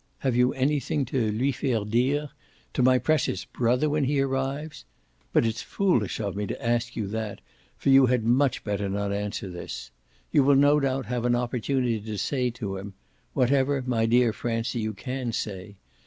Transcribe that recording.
Have you anything to lui faire dire to my precious brother when he arrives? But it's foolish of me to ask you that, for you had much better not answer this. You will no doubt have an opportunity to say to him whatever, my dear Francie, you CAN say!